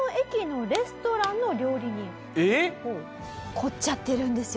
凝っちゃってるんですよ